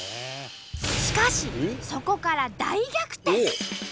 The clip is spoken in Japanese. しかしそこから大逆転！